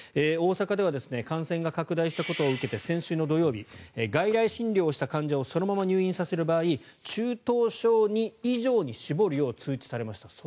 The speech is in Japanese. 大阪では感染が拡大したことを受けて先週土曜日外来診療をした患者をそのまま入院させる場合中等症２以上に絞るよう通知されました。